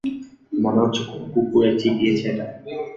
মনে হচ্ছে কোনো কুকুরে চিবিয়েছে এটা।